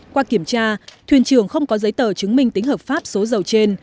qua kiểm tra thuyền trưởng không có giấy tờ chứng minh tính hợp pháp số dầu trên